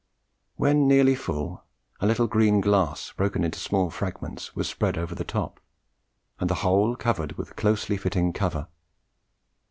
When nearly full, a little green glass broken into small fragments was spread over the top, and the whole covered over with a closely fitting cover.